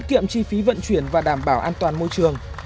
giảm chi phí vận chuyển và đảm bảo an toàn môi trường